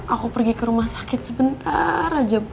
aku pergi ke rumah sakit sebentar aja